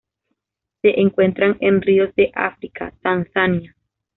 Se encuentran en ríos de África:Tanzania.